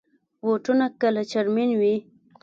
بوټونه کله چرمین وي.